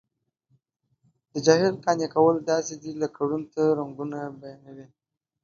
د جاهل قانع کول داسې دي لکه ړوند ته رنګونه بیانوي.